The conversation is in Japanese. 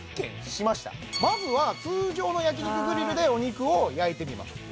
まずは通常の焼き肉グリルでお肉を焼いてみます